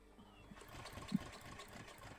আমার বন্ধুরা তোমার সাথে কথা বলতে চায়।